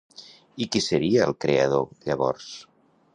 I qui seria el creador, llavors?